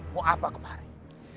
mau apa kemarin